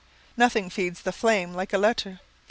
"Nothing feeds the flame like a letter.